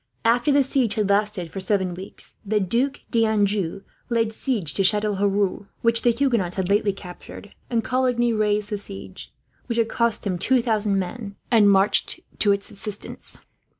After the siege had lasted for seven weeks, the Duc d'Anjou laid siege to Chatelherault, which the Huguenots had lately captured; and Coligny raised the siege, which had cost him two thousand men, and marched to its assistance.